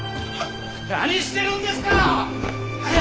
何してるんですか！？